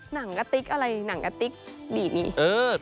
หนังกะติ๊กอะไรหนังกะติ๊กดีดนี้เออ